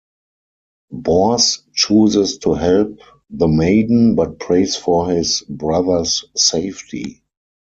Bors chooses to help the maiden, but prays for his brother's safety.